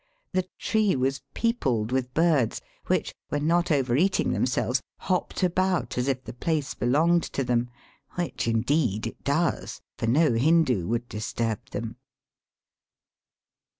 The tree was peopled with birds, which, when not over eating themselves, hopped about as if the place belonged to them; which indeed it does, for no Hindoo would disturb them.